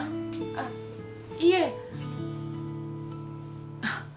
あっいえあっ